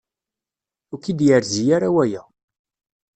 Ur k-id-yerzi ara waya.